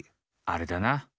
あれだな！